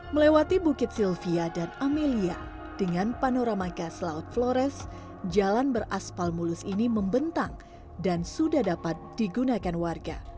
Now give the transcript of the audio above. melewati bukit sylvia dan amelia dengan panorama gas laut flores jalan beraspal mulus ini membentang dan sudah dapat digunakan warga